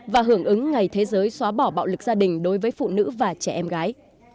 và hưởng ứng ngày thế giới xóa bỏ bạo lực gia đình đối với phụ nữ và trẻ em gái